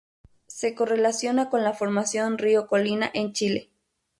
Se correlaciona con la formación Rio Colina en Chile.